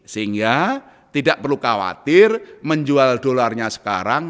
sehingga tidak perlu khawatir menjual dolarnya sekarang